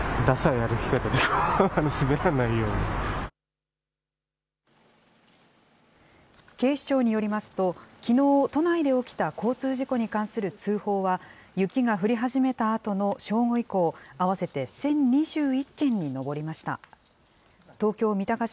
ダサい歩き方で、警視庁によりますと、きのう、都内で起きた交通事故に関する通報は、雪が降り始めたあとの正午以降、合わせて１０２１件に上りました。